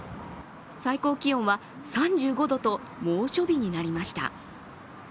最高気温は３５度と猛暑日になりました。